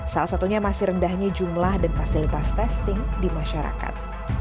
salah satunya masih rendahnya jumlah dan fasilitas testing di masyarakat